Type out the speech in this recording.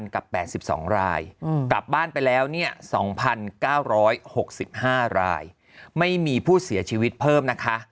กับ๘๒รายกลับบ้านไปแล้วเนี่ย๒๙๖๕รายไม่มีผู้เสียชีวิตเพิ่มนะคะ